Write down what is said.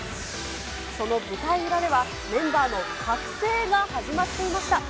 その舞台裏では、メンバーの覚醒が始まっていました。